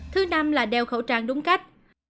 thứ năm là đeo khẩu trang đúng cách